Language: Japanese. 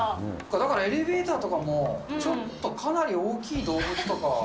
だからエレベーターとかも、ちょっと、かなり大きい動物とか。